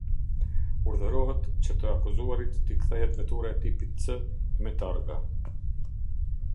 Urdhërohet që të akuzuarit ti kthehet vetura e tipit C me targa.